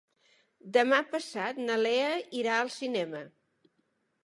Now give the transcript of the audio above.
Demà passat na Lea irà al cinema.